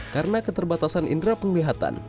karena keterbatasan indera penglihatan